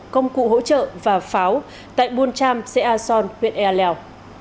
công cụ hỗ trợ và pháo tại buôn tram xe a son huyện ea leo